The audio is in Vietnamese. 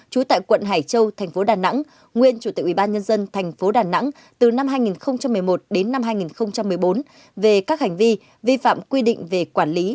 trú tại quận hải châu thành phố đà nẵng từ năm hai nghìn một mươi một đến năm hai nghìn một mươi bốn về các hành vi vi phạm quy định về quản lý